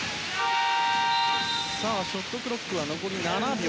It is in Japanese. ショットクロック残り７秒。